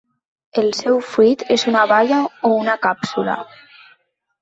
El seu fruit és una baia o una càpsula.